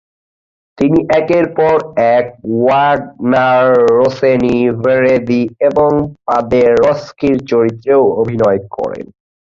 তিনি একের পর এক ওয়াগনার, রোসিনি, ভেরদি এবং পাদেরোস্কির চরিত্রে অভিনয় করেন।